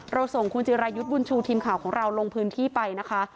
ส่งคุณจิรายุทธ์บุญชูทีมข่าวของเราลงพื้นที่ไปนะคะ